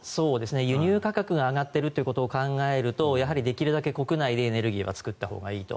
輸入価格が上がっているということを考えるとできるだけ国内でエネルギーを作ったほうがいいと。